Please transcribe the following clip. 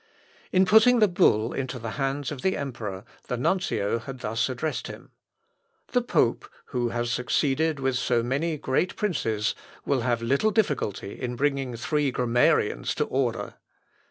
In putting the bull into the hands of the emperor, the nuncio had thus addressed him: "The pope, who has succeeded with so many great princes, will have little difficulty in bringing three grammarians to order."